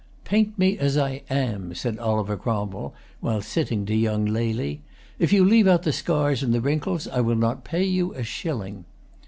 "Paint me as I am," said Oliver Cromwell, while sitting to young Lely. "If you leave out the scars and wrinkles, I will not pay you a shilling."